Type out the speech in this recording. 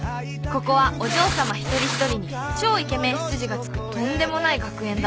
ここはお嬢さま一人一人に超イケメン執事がつくとんでもない学園だ。